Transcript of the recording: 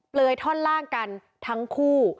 เลยท่อนล่างกันทั้งคู่